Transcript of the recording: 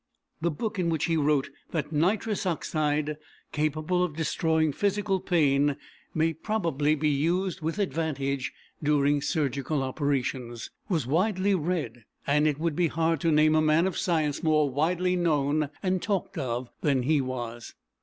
The book in which he wrote that "nitrous oxide capable of destroying physical pain may probably be used with advantage during surgical operations," was widely read, and it would be hard to name a man of science more widely known and talked of than he was.